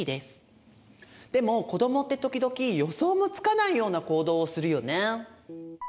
でも子どもって時々予想もつかないような行動をするよね。